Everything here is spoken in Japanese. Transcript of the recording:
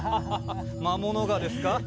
魔物がですか？